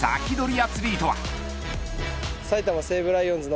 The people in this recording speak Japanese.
アツリートは。